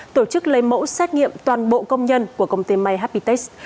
tổ chức lấy mẫu xét nghiệm toàn bộ công nhân của công ty myhappytest